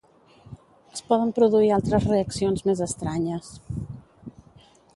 Es poden produir altres reaccions més estranyes.